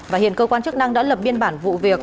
và hiện cơ quan chức năng đã lập biên bản vụ việc